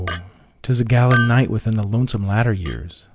'tis a gala nightWithin the lonesome latter years!